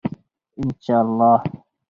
ان شاء الله.